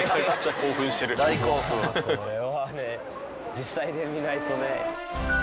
実際に見ないとね。